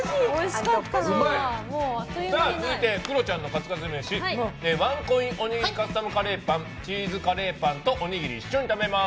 続いてクロちゃんのカツカツ飯ワンコインおにぎりカスタムカレーパンチーズカレーパンとおにぎりを一緒に食べます。